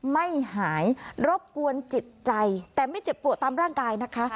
ไม่หายรบกวนจิตใจแต่ไม่เจ็บปวดตามร่างกายนะคะ